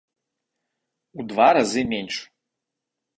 У два разы менш.